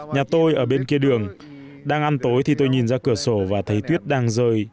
nhà tôi ở bên kia đường đang ăn tối thì tôi nhìn ra cửa sổ và thấy tuyết đang rơi